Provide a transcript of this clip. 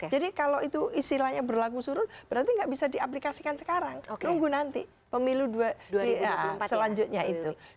jadi kalau itu istilahnya berlaku suruh berarti tidak bisa di aplikasikan sekarang nunggu nanti pemilu selanjutnya itu